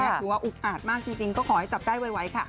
ถือว่าอุกอาจมากจริงก็ขอให้จับได้ไวค่ะ